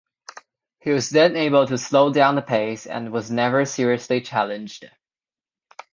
He was then able to slow down the pace and was never seriously challenged.